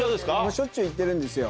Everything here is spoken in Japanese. しょっちゅう行ってるんですよ。